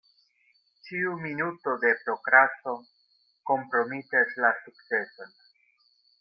Ĉiu minuto de prokrasto kompromitas la sukceson.